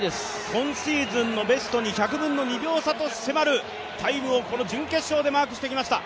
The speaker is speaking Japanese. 今シーズンのベストに１００分の２秒差と迫るタイムを準決勝でマークしてきました。